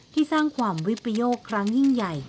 สร้างความวิปโยคครั้งยิ่งใหญ่